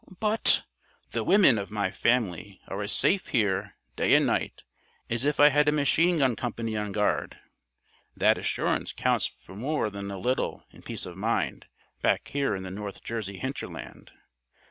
"But " "The women of my family are as safe here, day and night, as if I had a machine gun company on guard. That assurance counts for more than a little, in peace of mind, back here in the North Jersey hinterland.